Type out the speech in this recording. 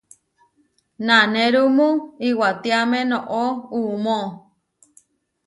Nanérumu iwatiáme noʼó uʼmó.